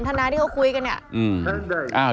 กินขออาหาร